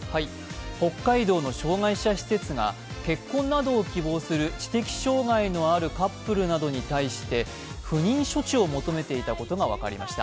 北海道の障害者施設が結婚などを希望する、知的障害のあるカップルなどに対して不妊処置を求めていたことが分かりました。